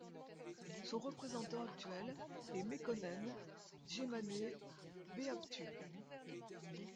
Son représentant actuel est Mekonnen Djemaneh Behabtu.